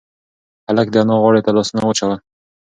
هلک د انا غاړې ته لاسونه واچول.